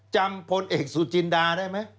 พลเอกสุจินดาได้ไหม